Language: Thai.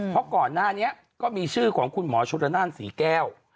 เพราะก่อนหน้านี้ก็มีชื่อของคุณหมอชุระนานศรีแก้ว